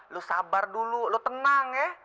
lo sabar dulu lo tenang ya